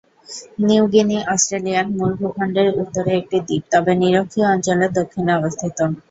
New Guinea Australian মূল ভূখণ্ডের উত্তরে একটি দ্বীপ, তবে নিরক্ষীয় অঞ্চলের দক্ষিণে অবস্থিত।